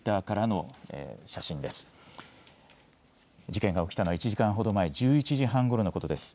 事件発生したのは今から１時間ほど前、１１時半ごろのことでした。